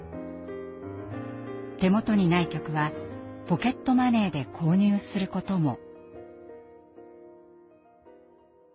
手元にない曲はポケットマネーで購入することも。